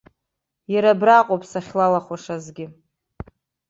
Иара абраҟоуп сахьлалахәашазгьы.